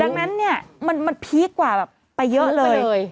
ดังนั้นเนี่ยมันพีคกว่าแบบไปเยอะเลย